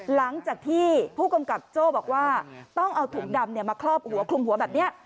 หลังจากที่ผู้กำกับโจ้บอกว่าต้องเอาถุงดำมาครอบหัวคลุมหัวแบบนี้